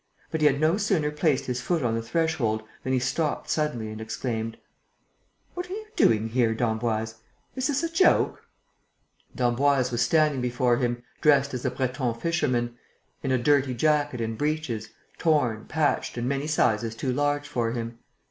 But he had no sooner placed his foot on the threshold than he stopped suddenly and exclaimed: "What are you doing here, d'Emboise? Is this a joke?" D'Emboise was standing before him, dressed as a Breton fisherman, in a dirty jacket and breeches, torn, patched and many sizes too large for him.